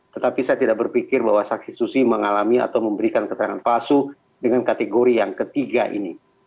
tetapi saya tidak berpikir bahwa saksi susi mengalami atau memberikan keterangan palsu dengan kategori yang ketiga ini